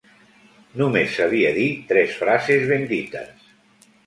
Només sabia dir tres frases ben dites.